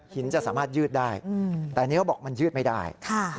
จะสามารถยืดได้แต่อันนี้เขาบอกมันยืดไม่ได้